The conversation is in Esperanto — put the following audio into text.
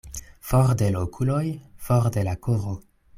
For de l' okuloj, for de la koro.